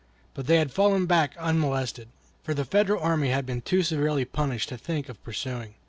But they had fallen back unmolested, for the Federal army had been too severely punished to think of pursuing.